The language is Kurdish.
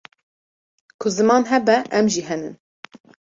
ku ziman hebe em jî henin